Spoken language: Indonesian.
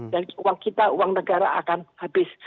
dan uang kita uang negara akan habis